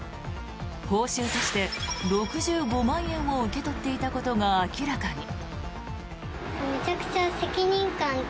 報酬として６５万円を受け取っていたことが明らかに。